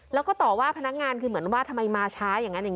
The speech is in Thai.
และก็ต่อว่าพนักงานคือเหมือนว่าทำไมมาช้าอย่างนั้น